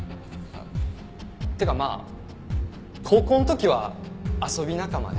っていうかまあ高校の時は遊び仲間で。